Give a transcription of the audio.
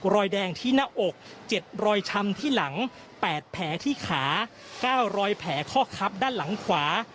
รอยแดงที่หน้าอก๗รอยช้ำที่หลัง๘แผลที่ขา๙รอยแผลข้อคับด้านหลังขวา